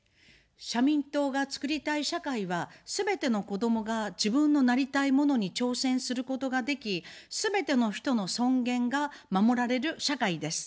社民党が作りたい社会は、すべての子どもが自分のなりたいものに挑戦することができ、すべての人の尊厳が守られる社会です。